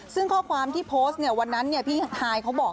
ซึ่งข้อความที่โพสต์เนี่ยวันนั้นเนี่ยพี่หายเขาบอกอย่างนี้ค่ะ